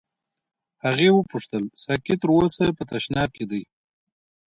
هغې وپوښتل ساقي تر اوسه په تشناب کې دی.